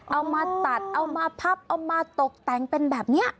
เอามาตัดเอามาพับเอามาตกแต่งเป็นแบบนี้